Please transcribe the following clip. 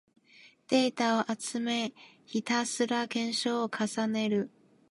データを集め、ひたすら検証を重ねる